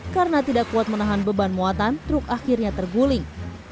karena tidak kuat menahan beban muatan truk akhirnya terguling